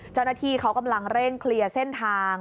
เจ้าหน้าที่เขากำลังเร่งเคลียร์เส้นทาง